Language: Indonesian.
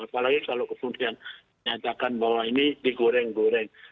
apalagi kalau kemudian nyatakan bahwa ini digoreng goreng